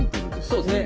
そうですね。